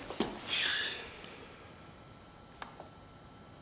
よし。